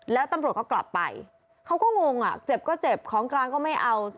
แล้วตำรวจก็กลับไปเขาก็งงอ่ะเจ็บก็เจ็บของกลางก็ไม่เอา